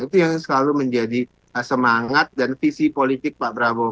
itu yang selalu menjadi semangat dan visi politik pak prabowo